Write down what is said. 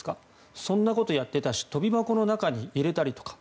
そんなことやってたし跳び箱の中に入れたりとか。